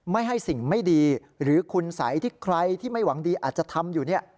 ไม่ให้สิ่งไม่ดีหรือคุณสัยที่ใครที่ไม่หวังดีอาจจะทำอยู่เนี่ย